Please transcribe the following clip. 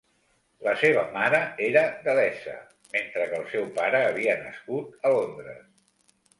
La seva mare era gal·lesa, mentre que el seu pare havia nascut a Londres.